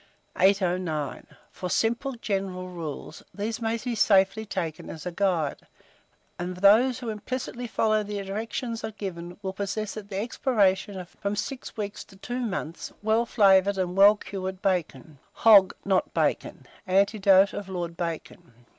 809. FOR SIMPLE GENERAL RULES; these may be safely taken as a guide; and those who implicitly follow the directions given, will possess at the expiration of from 6 weeks to 2 months well flavoured and well cured bacon. HOG NOT BACON. ANECDOTE OF LORD BACON.